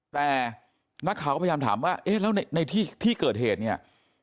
แต่นักข่าวก็พยายามถามว่าเอ๊ะแล้วในที่เกิดเหตุเนี่ย